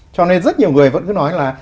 cho nên rất nhiều người vẫn cứ nói là